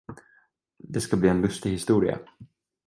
Det skall bli en lustig historia.